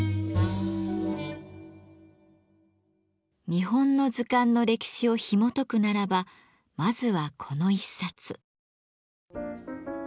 日本の図鑑の歴史をひもとくならばまずはこの一冊。